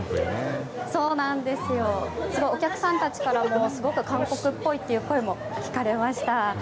お客さんたちからもすごく韓国っぽいっていう声も聞かれました。